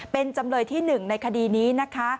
เป็นจำเลยที่๑ในคดีนี้นะคะ